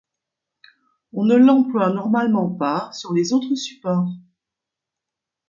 On ne l'emploie normalement pas sur les autres supports.